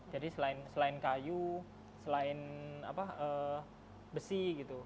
jadi selain kayu selain besi gitu